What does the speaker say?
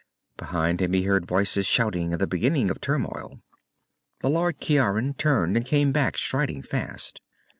Behind him he heard voices shouting and the beginning of turmoil. The Lord Ciaran turned and came back, striding fast.